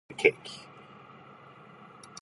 Cake